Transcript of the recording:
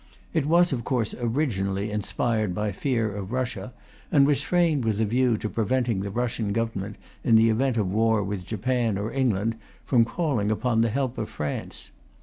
It was, of course, originally inspired by fear of Russia, and was framed with a view to preventing the Russian Government, in the event of war with Japan or England, from calling upon the help of France.